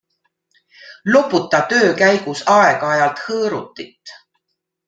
Loputa töö käigus aeg-ajalt hõõrutit.